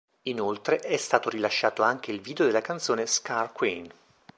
Inoltre è stato rilasciato anche il video della canzone "Scar Queen".